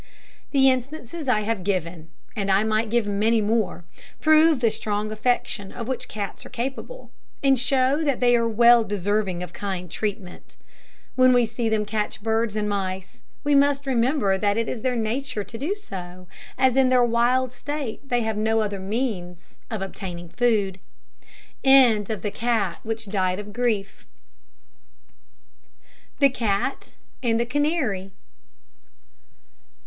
The instances I have given and I might give many more prove the strong affection of which cats are capable, and show that they are well deserving of kind treatment. When we see them catch birds and mice, we must remember that it is their nature to do so, as in their wild state they have no other means of obtaining food. THE CAT AND THE CANARY.